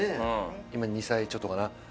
今２歳ちょっとかな。